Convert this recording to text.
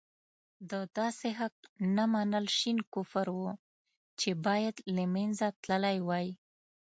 د داسې حق نه منل شين کفر وو چې باید له منځه تللی وای.